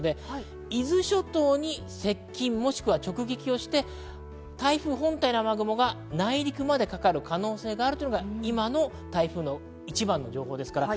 伊豆諸島に接近、もしくは直撃して台風本体の雨雲が内陸までかかる可能性があるのが今の台風の情報です。